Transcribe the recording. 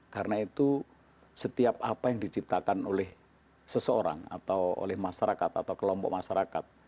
karena itu setiap apa yang diciptakan oleh seseorang atau oleh masyarakat atau kelompok masyarakat